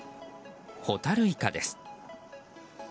ホタルイカです。